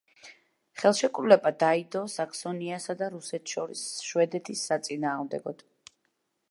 ხელშეკრულება დაიდო საქსონიასა და რუსეთს შორის შვედეთის საწინააღმდეგოდ.